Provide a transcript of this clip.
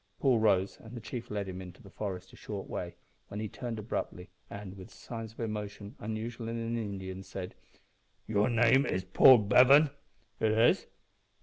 Paul rose, and the chief led him into the forest a short way, when he turned abruptly, and, with signs of emotion unusual in an Indian, said "Your name is Paul Bevan?" "It is."